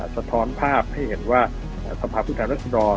สะท้อนภาพให้เห็นว่าสภาพพฤษฐานรัฐศรรณ